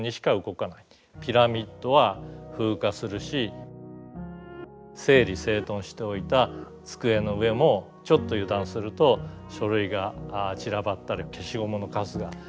ピラミッドは風化するし整理整頓しておいた机の上もちょっと油断すると書類が散らばったり消しゴムのカスが散らばったりしますよね。